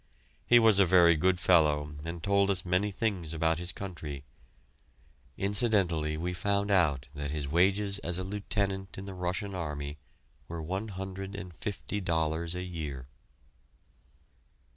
He was a very good fellow, and told us many things about his country. Incidentally we found out that his wages as a Lieutenant in the Russian Army were one hundred and fifty dollars a year!